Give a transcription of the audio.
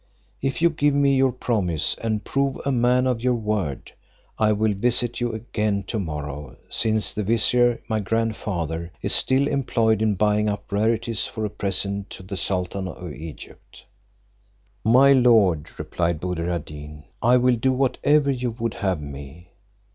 If you give me your promise, and prove a man of your word, I will visit you again to morrow, since the vizier my grandfather, is still employed in buying up rarities for a present to the sultan of Egypt." "My lord," replied Buddir ad Deen, "I will do whatever you would have me."